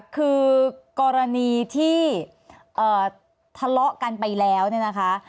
คือกรณีที่ทะเลาะกันไปแล้วเนี่ยนะคะ